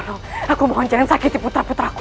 tolong aku mohon jangan sakiti putra putraku